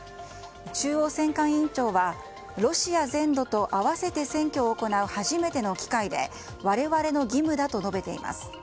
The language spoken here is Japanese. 中央選管委員長はロシア全土と併せて選挙を行う初めての機会で我々の義務だと述べています。